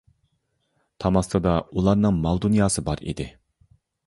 تام ئاستىدا ئۇلارنىڭ مال دۇنياسى بار ئىدى.